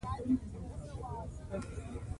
نفت د افغانستان د موسم د بدلون سبب کېږي.